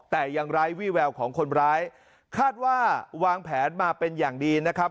แต่ยังไร้วี่แววของคนร้ายคาดว่าวางแผนมาเป็นอย่างดีนะครับ